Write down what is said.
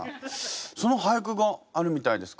その俳句があるみたいです。